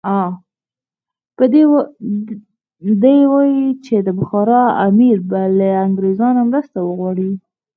دی وایي چې د بخارا امیر به له انګریزانو مرسته وغواړي.